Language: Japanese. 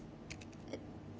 えっ？